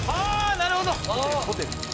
なるほど。